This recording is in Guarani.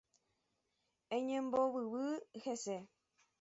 Oñembovyvy hese.